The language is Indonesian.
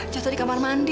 jatuh di kamar mandi